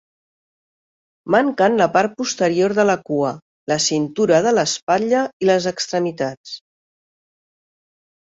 Manquen la part posterior de la cua, la cintura de l'espatlla i les extremitats.